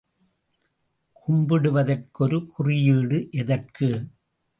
கும்பிடுவதற்கு ஒரு குறியீடு எதற்கு?